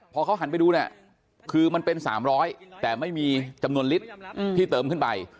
พอเขาหันไปดูเนี่ยคือมันเป็น๓๐๐แต่ไม่มีจำนวนลิตรที่เติมขึ้นไป